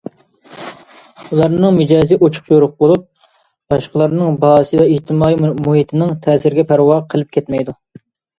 ئۇلارنىڭ مىجەزى ئوچۇق يورۇق بولۇپ، باشقىلارنىڭ باھاسى ۋە ئىجتىمائىي مۇھىتنىڭ تەسىرىگە پەرۋا قىلىپ كەتمەيدۇ.